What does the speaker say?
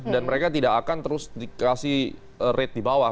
dan mereka tidak akan terus dikasih rate di bawah